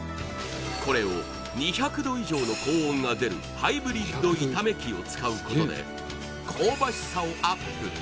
これを２００度以上の高温が出るハイブリッド炒め機を使うことで香ばしさをアップ